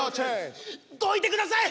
どいてください！